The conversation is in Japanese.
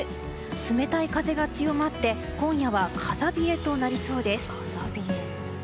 冷たい風が強まって今夜は風冷えとなりそうです。